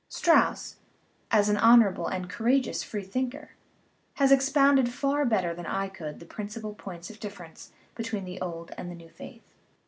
Strauss, as an honorable and courageous free thinker, has expounded far better than I could the principal points of difference between "the old and the new faith."